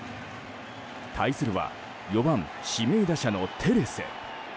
対するは４番指名打者のテレス。